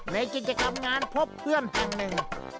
ในกิจกรรมงานพบเพื่อนแห่งหนึ่ง